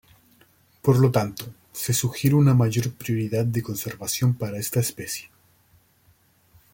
Por lo tanto se sugiere una mayor prioridad de conservación para esta especie.